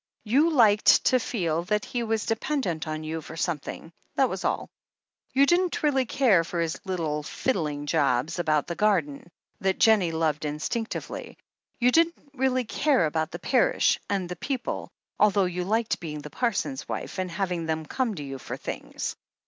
You liked to feel that he was dependent on you for something, that was all. You didn't really care for his little, fiddling jobs about the garden, that Jennie loved instinctively ; you didn't really care about the parish, and the people, although you liked being the parson's wife, and having them come to you for things.